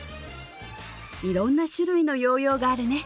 いろんな種類のヨーヨーがあるね